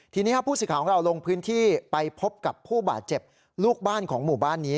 ทีนี้ผู้สื่อข่าวของเราลงพื้นที่ไปพบกับผู้บาดเจ็บลูกบ้านของหมู่บ้านนี้